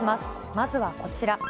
まずはこちら。